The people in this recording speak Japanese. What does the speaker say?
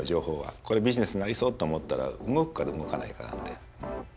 これビジネスになりそうって思ったら動くか動かないかなんで。